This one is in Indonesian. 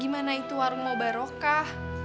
gimana itu warung obarokah